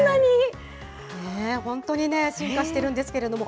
本当に進化してるんですけれども。